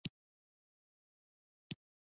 ډیری حیوانات د خپل ژوند لپاره د نباتاتو څخه تغذیه کوي